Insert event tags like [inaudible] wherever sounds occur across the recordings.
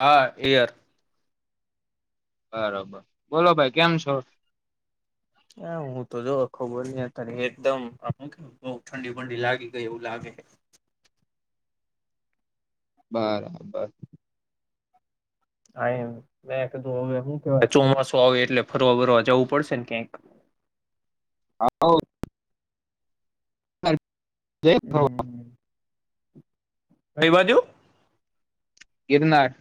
હા એયાર બરોબર બોલો ભાઈ કેમ છો હા હું તો જો ખબર ન ત એકદમમ કે બઉ ઠંડી ઠંડી લાગી ગઈ એવું લાગે છે બરાબર હા મેં કધું હું કેવાય ચોમાસું આવે એટલે ફરવા ફરવા જવું પડશે ને ક્યાંક હા [inaudible] જય પ્રભ કઈ બાજુ ગીરનાર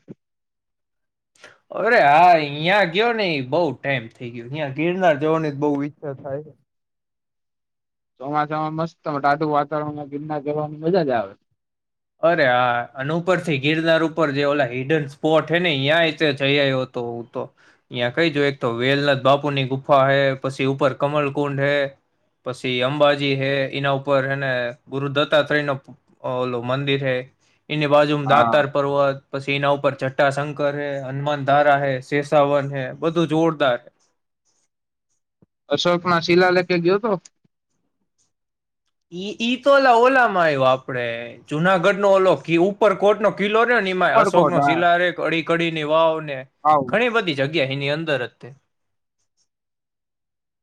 અરે આ અહિયાં ગયો ને બહુ ટાઈમ થઇ ગયો અં ગિરનાર જવાની બહ ઈચ્છા થાય છે. ચોમાસામાં મસ્ત ત ર વાતાવરણમાં ગિરના જવાની મજા જ આવે અરે હા અને ઉપરથી ગિરનાર ઉપર જે ઓલા હિડન સ્પોટ હે ને અ્યાં જઈ આવયો હતો તો અ્યાં કઈ જો એક તો વેલનાથ બાપુની ગુફા હૈ પછી ઉપર કમલકુંડ હૈ પછી અંબાજી હે એના ઉપર હને ગુરુદત્તા તય નો ઓલો મંદિર હૈ એની બાજુ હા દાતાર પર્વત પછી એના ઉપર જટ્ટાશંકર હે હનુમાન ધારા હૈ શેેશાવન હૈ બધું જોરદાર હૈ અશોકમાં શિલાલેેખે ગયો હતો ઈ તો ઓલા ઓલા માં આવ્યો આપડે જુનાગઢ નો ઓલોક ઉપર કોટ નો કિલ્લો નિમાય અશોક ઉપરકોટ નો હા શિલા ર કડી કડીની વાવને આવ ઘણી બધી જગ્યા ની અંદર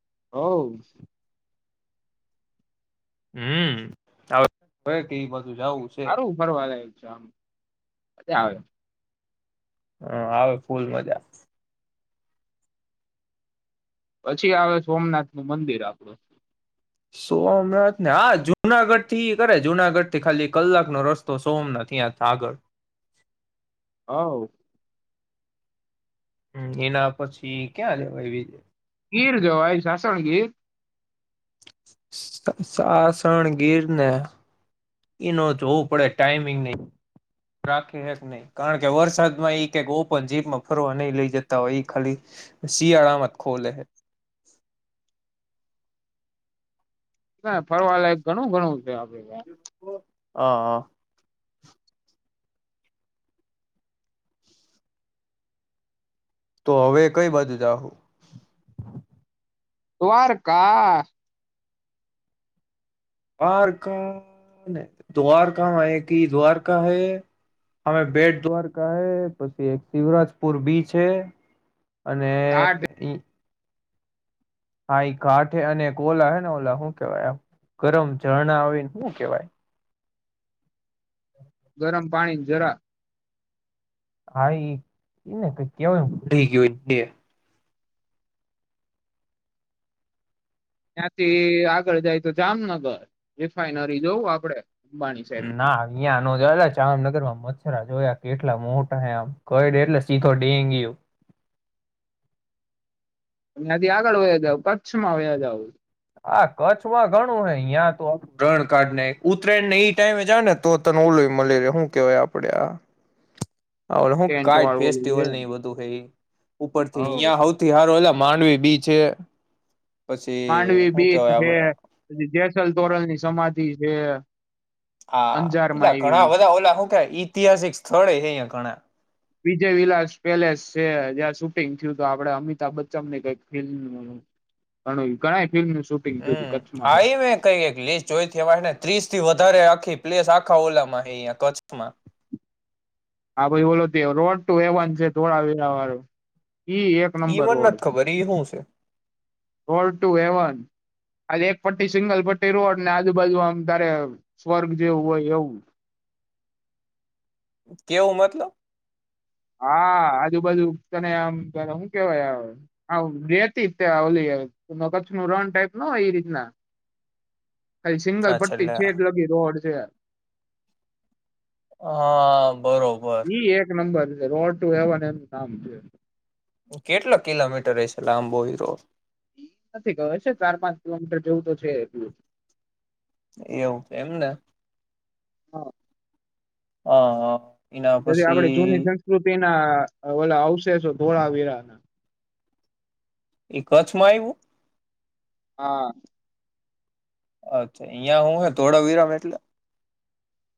[inaudible] હમ હવે [unintelligible] છે હારું ફરવા લાયક છે આમ મજા આવે હ આવે ફૂલ મજા પછી આવે સોમનાથ નું મંદિર આપણું સોમનાથ ને હા જુનાગઢ થી કરે જુનાગઢ થી ખાલી કલાકનો રસ્તો સોમનાથ હતા આગળ [inaudible] હ એના પછી ક્યાં રેવાય બીજે ગીર જો ભય સાસણ ગીર સાસણગીરને એનો જોવું પડે ટાઈમિંગ નહી રાખી નહી કારણ કે વરસાદમાં એ કક ઓપન જીપમાં ફરવા નહી લઈ જતા હોય ખાલી શિયાળામાં જ ખોલે ફરવા લાયક ઘણું ઘણું [inaudible] હ હા તો હવે કઈ બાજુ જાહું દ્વારકા દ્વારકા ને દ્વારકામાં એક ઈ દ્વારકા હૈ અવે બેટ દ્વારકા હૈ પછી એક શિવરાજપુર બીચ હ અને ઘાટ ઈ હાાઈ ગાંઠ અને ઓલા હેને ઓલા શું કેવાય ગરમ ઝરણા આવીને શું કેવાય ગરમ પાણી જરા હા એને કઈ કેવાય રઈ ગયું બે ત્યાંથી આગળ જાય તો જામનગર રિફાઈનરી જોવું આપડે અંબાણી સાહેબની ના અહીં નો જોયેલા જામનગર માં મચ્છરા જોયા. કેટલા મોટા હ આમ કઇડે એટલે સીધો ડેન્ગ્યુ. ત્યાંથી આગળ વ્યા જું કચ્છમાં વ્યા જાવું. હા કચ્છમાં ઘણું હ અહં તો રણકાડ ન ઉત્તરાયણ ને એઈ ટાઈમે જાવ ને તો તને ઓલોય મળી રે શું કેવાય આપડે આ હું ટેન્ટ કાઈટ વાળું ઓલું છે ફેસ્ટિવલ ને અ બધું એ ઉપર થી હવ અહીંયા હઉ થી હારુ ઐલા માંડવી બી છે. માંડવી બીચ જે જેસલ તોરલ ની સમાધિ બી છે. હા, અંજારમાં એટલા ઘણા આયવી બધા ઓલા હું. ઈતિહાસિક સ્થળ અહિયાં ઘણા વિજય વિલાસ પેલેસ છે, જ્યાં શૂટિંગ થયું. તો આપડે અમિતાભ બચ્ચન ની કઈક ફિલ્મ ગણ ગણાય ને? હમ, આ એ મે કઈ લઈવાની ત્રીસ થી વધારે આખી પ્લેસ આખા ઓલામાં અહીં કચ્છમાં. હા ભાઈ, બોલો તે રોડ તો એવન છે થોડા વેરા વાળું. ઈ મને નથી ખબર. એ હું. રોડ ટુ હેવન આજ એક પટ્ટી, સિંગલ પટ્ટી રોડ ને આજુબાજુ આમ તારે સ્વર્ગ જેવું હોય એવું. કેવું મતલબ. હા, આજુબાજુ તને આમ શું કેવાય? રેતી, જલી, કચ્છ ના રણ ટાઈપ ના હોય એ રીતના. ખાલી સિંગલ હા પટ્ટી છેલ્લે છેક લગી રોડ છે. હા, બરોબર. ઈ એક નંબર રોડ ટુ હેવન એનું નામ છે. કેટલો કિલોમીટર હશે, લાંબો હોય તો? નથી ગયો છે હોય ચાર પાંચ કિલોમીટર જેવું તો છે એટલું. એવું એમને હા. હા, હા. એના ઓલી આપડે જૂની પછી સંસ્કૃતિ ના ઓલા આવશે તો ધોળાવીરાના. એ કચ્છમાં આવ્યું. હા. અચ્છા, અહિયાં હું હે ધોળાવિરામ એટલે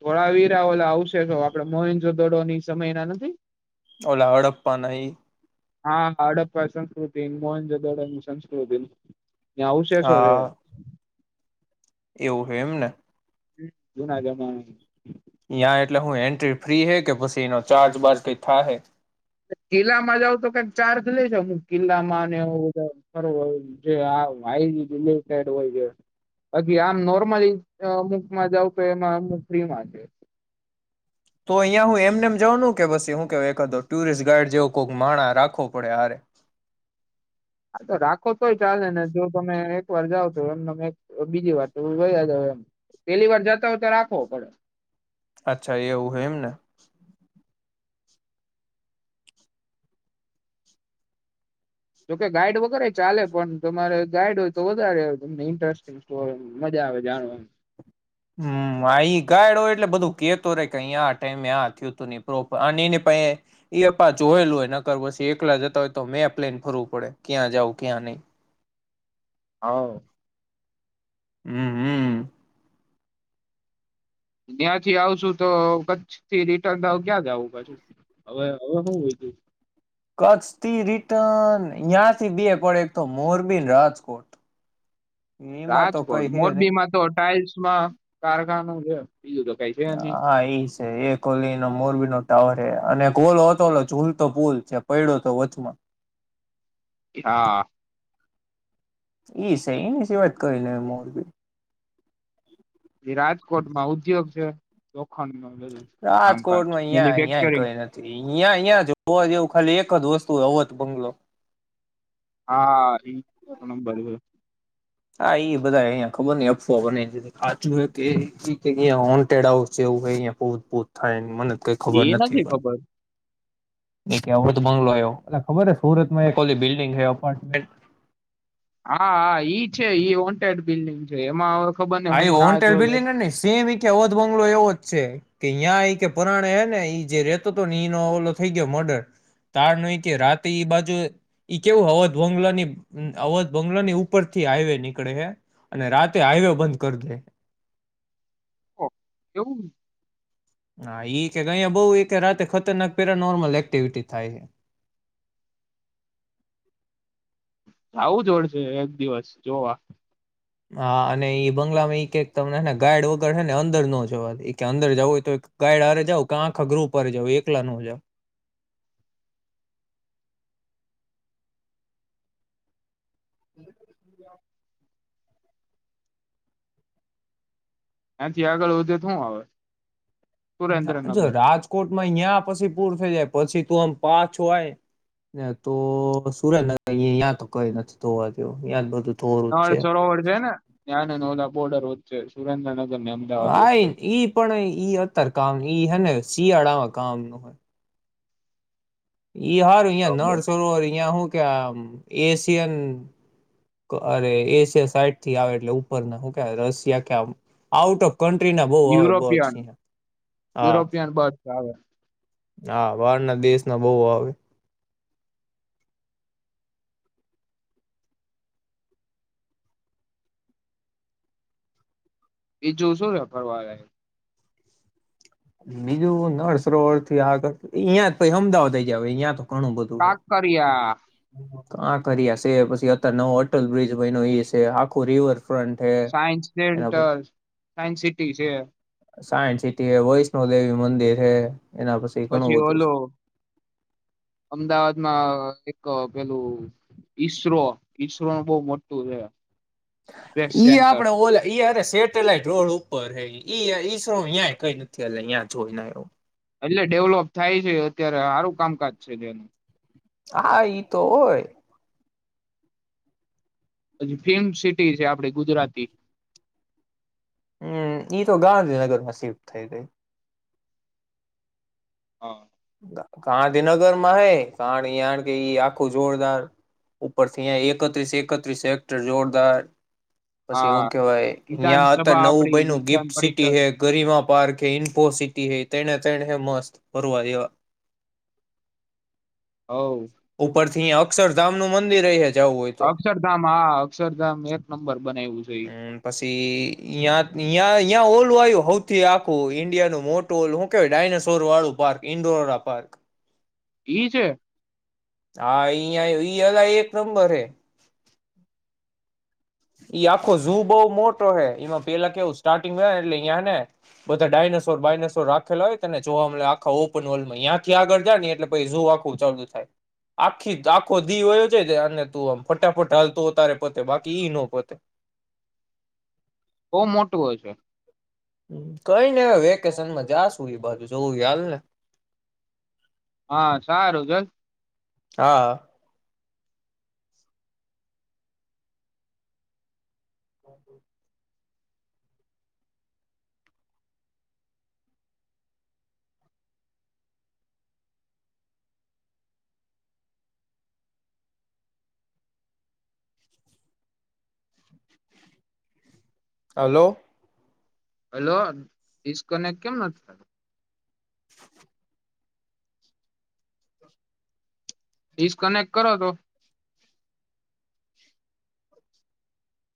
ધોળાવીરા ઓલા આવશે તો આપડે મોહન જો દડોની સમયના નથી. ઓલા હડપ્પા ના ઈ હા, હડપ્પા સંસ્કૃતિ મોહનજદોડની સંસ્કૃતિ. ત્યાં અવશેષો રેહ. હા એવું હોય એમ ને જૂનાગઢમાં. યાં એટલે હું એન્ટ્રી ફ્રી હૈ કે? પછી એનો ચાર્જ બાજ કંઈ થા હૈ? કિલ્લામાં જાવ તો કક ચાર્જ લે છે, અમુક કિલ્લામાં અને બધુ જ ફી હોય. બાકી આમ નોર્મલી અમુકમાં જાવ કે એમાં અમુક ફ્રીમાં છે. અહીંયા હું એમનેમ જનું કે હું કે એકાદો ટુરિસ્ટ ગાઈડ જેવો કોઈક માણસ રાખવો પડે શું? હા, તો રાખવું કોઈપણ ચાલે ને તો તમે એક વાર જાવ તો એમ તમે બીજી વાર જાવ એમ. પેલી વાર જતા હોય તો રાખવો પડે. અચ્છા, એવું હોય એમ ને. જોકે ગાઈડ વગરે ચાલે, પણ તમારે ગાઈડ હોય તો વધારે તમને ઇન્ટરેસ્ટિંગ સરી મજા આવે જાણવાની. હમ આ ગાઈડ હોય એટલે બધું કેતો રે કે અહીયા આ ટાઈમે આ થયું હતું નહી પ્રોપર અને એને પ એ પા જોયેલું હોય નકર પછી એકલા જતા હોય તો મેં પ્લેન ફરવું પડે ક્યાં જઉં ક્યાં નહી. હા. હમ્મ-હમ્મ. ત્યાંથી આવશું તો કચ્છ થી રિટર્ન ક્યા જ આવું પછ હવે હું લીધું. કચ્છથી રિટર્ન ત્યાંથી બે પડે એક તો મોરબીન રાજકોટ. એમાં તો રાજકોટ, કઈ હે નહી મોરબી માં તો ટાઈલ્સ માં કારખાનો છે. બીજું તો કઈ છે નહી હા એ એ કોલી ન મોરબીનોો ટાવર એ અને ઓલો હતો ચુલતો પુલ છે પડ્યો હતો વચમાં. હા! [unintelligible] એ રાજકોટમાં ઉદ્યોગ છે. લોખંડ નું બધું કામકાજ રાજકોટમાં અં અહં મેન્યુફેક્ચરિંગ કઈ નથી. અ્યાં અહં જોવા જેવું ખાલી એક જ વસ્તુ રોત બંગલો. હા એ નંબર હો. હા બધા અહંયા ખબર ન અફવા બને છે. કચુંડ આઉવુંયાતપૂત થાય. મને કઈ એ ખબર નથી પણ. ખબર કે વધ બંગલો આવ એ ખબર હ સુરતમાં એક ઓલી બિલ્ડિંગ છે અપાર્ટમેન્ટ. હા હા ઈ છે ઈ વોન્ટેડ બિલ્ડીિંગ છે એમાં ખબર ને હું આા રાહ હન્ટએડ જોઈ બિલ્ડિંગ ન સેમ ભૂત બંગલો એવો જ છે. કે યાં એ કે પરાણે હે ને એઈ જે રેતો હતો ને એનો ઓવલો થઈ ગયો મર્ડર તાર ન કે રાતે બાજુ ઈ કેવું અવધ બંગલાની અવધ બંગલા ની ઉપર થી હાઈવે નીકળે છે અને રાતે હાઈવે બંધ કર દે. કેવું? હા એ કે અહયા બહુ એ રાતે ખતરનાક પેરા નર્મલ એક્ટિવિટી થાય આવું જોડશે એક દિવસ જોવા. હા અને એ બંગલામાં તમનેને ગાઈડ વગર છે ને અંદર ન જવા. કે અંદર જવું હોય તો ગાઈડ હરે જાવ કે આખા ગ્રુપ હરે જવું એકલા ન જાવ. [inaudible] એ્યાથી આગળ વધે શું આવે? સુરેન્દ્રનગર જો રાજકોટમાં અહિયાં પછી પૂર થઈ જાય. પછી તું આમ પાછોય ને તો સુરેન્દ્રનગર અયાં તો કઈ નથી થવા જે બધું. ધોરું જ નાલ છે સરોવર છે ને ત્યા નોલા બોર્ડર વચ્ચે સુરેન્દ્રનગર ને અમદાવાદ આ વચ્ચે ઈ પણ ઈ અતાર કામ ઈ હને શિયાળામાં કામનું હોય. ઈ હાર યાં બરાબર નર્સ યા હું. એશિયન અરે એશય સાઈડ થી આવે એટલે ઉપરના શું ક રશિયા ક આઉટ ઓફ કન્ટ્રી ના બહુ આવે બર્ડસ યુરોપિયન અહિયાં. યુરોપિયન બર્ આવે. હા બહાર ના દેશ ના બહુ આવે એ જોશો રને ફરવાળ બીજું નળસરોવર થી આગળ અહં પછ અમદાવાદઈ જ અહિયાં તો કાંકરિયા કાંકરિયા છે પછી અત્યારે નવો હોટલ બ્રિજ બન્યો એ છે આખું રિવર ફ્રન્ટ હે. સાયન્સ એના પર સેન્ટર સાયન્સ સિટી છે સાયન્સ સિટી હ વૈષ્ણો દેવી મંદિર હે એના ઘણું પછી બધું છે. ઓલો અમદાવાદમાં એક પેલું ઈસરો ઈસરો ન બહ મોટું છે સ્પેસ ઈ સેન્ટર આપણેે ઓલે ઈ અરે શેઠ સેટેલાઈટ રોડ ઉપર હ ઈ કઈ નથી અ જોઈને આવ એટલે ડેવલોપ થાય છે અત્યારે સારું કામકાજ છે જેનું હા ઈ તો હોય પછી ફેમ સિટી છે આપડી ગુજરાતી હમ ઈ તો ગાંધીનગરમાં સિફ્ટ થઈ ગઈ હા ગાંધીનગરમાં હે કારણકે ઈ આખું જોરદાર ઉપરથી અ એકત્રીસ એકત્રીસ હેક્ટર જોરદાર પછી આ એવું કેવાય યાં વિધાનસભા અત્યારે નવું આપડી બન્યું વિધાન ગિફ્ટ સિટી પરિષદ હે ગરિમા પાર્ક હે ઇન્ફો સિટી હ તેને ચ મોસ્ત ફરવા રેવા [inaudible] ઉપર થી યાં અક્ષરધામ નું મંદિર ર હે જવું હોય તો અક્ષરધામ હા અક્ષરધામ એક નંબર બનાવ્યું છે ઈ પછીં્યાં ઓલું આવયો સૌથી આખું ઈન્ડિયા નું મોટું શું કેવાય ડાયનાસોર વાળું પાર્ક ઈન્ડોરા પાર્ક છે હા ઈ અલા એક નંબર હે ઈ આખો ઝુ બહ મોટ એમાં પેલા કેવું સ્ટાર્ટિંગ એટલે્યાં ને બધા ડાયનાસોર બાયનોસોર રાખેલા હોયને જોવા મળ આખા ઓપન વર્લ્ડ માંંથી આગળ જાય એટલે પછ આખું ચાલુ થાય આી આખો દી હોયો છે અને તું આમ ફટાફટ હાલતોતારે પોતે બાકી ઈ ન પોતે બહ મોટું હોય છે કઈ નને હવે વેકેશનમાં જાશું એ બાજુ જોવું હાલ ને હા સારું ચલ હા હા હલો હેલો ડિસ્કનેક્ટ કેમ નથી થતો ડિસ્કનેક્ટ કરો તો.